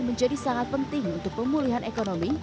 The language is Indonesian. menjadi sangat penting untuk pemulihan ekonomi